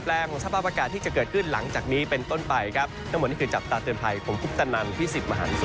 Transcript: โปรดติดตามตอนต่อไป